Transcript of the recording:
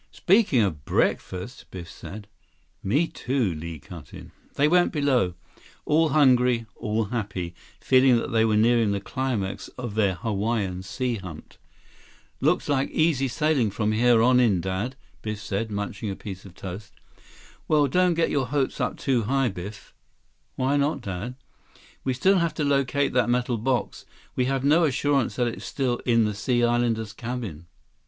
"Speaking of breakfast—" Biff said. "Me, too," Li cut in. They went below. All hungry. All happy, feeling that they were nearing the climax of their Hawaiian sea hunt. 170 "Looks like easy sailing from here on in, Dad," Biff said, munching a piece of toast. "Well, don't get your hopes up too high, Biff." "Why not, Dad?" "We still have to locate that metal box. We have no assurance that it's still in the Sea Islander's cabin."